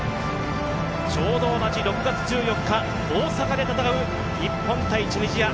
ちょうど同じ６月１４日、大阪で戦う日本×チュニジア。